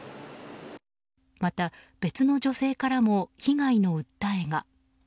また、別の女性からも被害の訴えが。